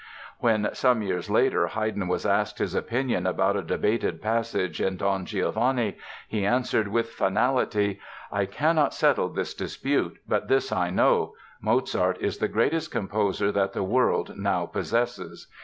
When some years later Haydn was asked his opinion about a debated passage in "Don Giovanni" he answered with finality: "I cannot settle this dispute, but this I know: Mozart is the greatest composer that the world now possesses!"